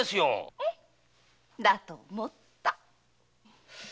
だと思った！